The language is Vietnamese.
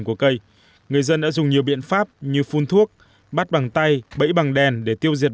của cây người dân đã dùng nhiều biện pháp như phun thuốc bắt bằng tay bẫy bằng đèn để tiêu diệt